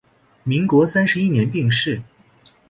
民国三十一年病逝。